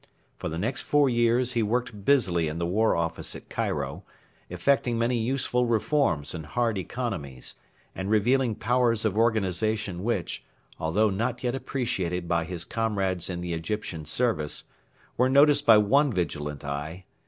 For the next four years he worked busily in the War Office at Cairo, effecting many useful reforms and hard economies, and revealing powers of organisation which, although not yet appreciated by his comrades in the Egyptian service, were noticed by one vigilant eye.